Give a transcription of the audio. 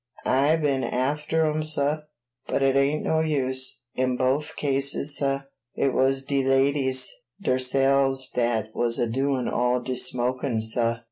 I been after 'em, suh; but it ain't no use. In bofe cases, suh, it was de ladies deirsefs dat was a doin' all de smokin', suh."